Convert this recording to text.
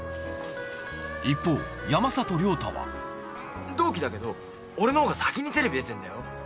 一方山里亮太は同期だけど俺の方が先にテレビ出てんだよ？